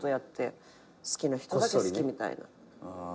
好きな人だけ好きみたいな。